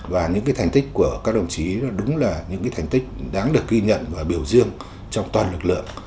và những thành tích của các đồng chí đúng là những thành tích đáng được ghi nhận và biểu dương trong toàn lực lượng